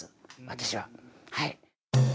私ははい。